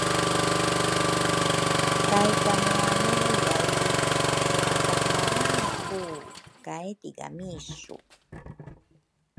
Kaykameane yai watarumara ku kay tigami su